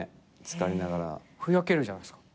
ふやけるじゃないっすか。